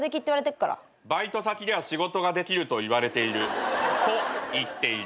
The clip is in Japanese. バイト先では仕事ができるといわれていると言っている。